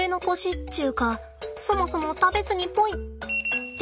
っちゅうかそもそも食べずにポイってのが多いんです。